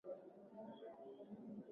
Alipofika hakukuwa na mtu